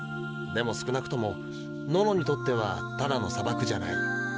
でも少なくともノノにとってはただの砂漠じゃない。